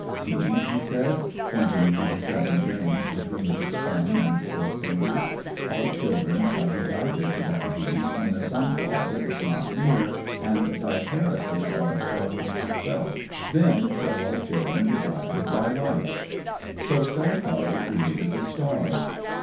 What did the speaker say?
"See," he said, pointing to the seven grains between his thumb and four fingers, "our children shall be guided by these when the Sun father is not near and thy terraces are as darkness itself. Then shall our children be guided by lights." So Sky father created the stars.